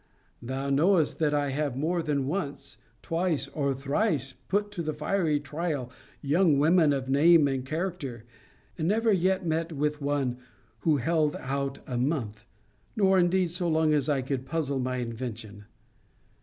'Thou knowest, that I have more than once, twice, or thrice, put to the fiery trial young women of name and character; and never yet met with one who held out a month; nor indeed so long as could puzzle my invention.